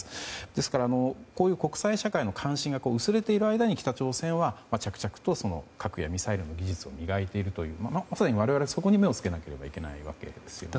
ですから、国際社会の関心が薄れている間に北朝鮮は着々と核やミサイルの技術を磨いているというまさに、我々はそこに目をつけなければいけないわけですよね。